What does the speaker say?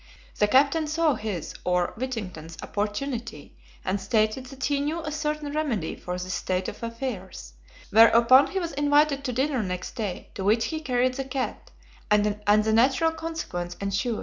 The captain saw his, or Whittington's, opportunity, and stated that he knew a certain remedy for this state of affairs; whereupon he was invited to dinner next day, to which he carried the cat, and the natural consequence ensued.